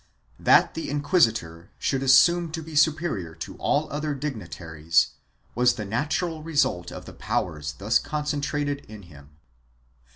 That the inquisitor should assume to be superior to all other dignitaries was the natural result of the powers thus concen trated in him.